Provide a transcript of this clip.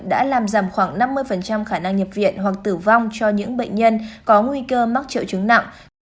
đã làm giảm khoảng năm mươi khả năng nhập viện hoặc tử vong cho những bệnh nhân có nguy cơ mắc triệu chứng nặng